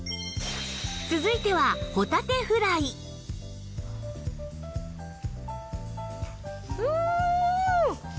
続いてはうん！